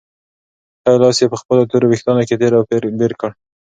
ښی لاس یې په خپلو تورو وېښتانو کې تېر او بېر کړ.